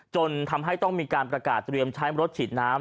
จนทำให้ต้องมีการประกาศเตรียมใช้รถฉีดน้ำ